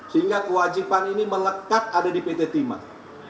sehingga kewajiban ini melekat ada di pt timah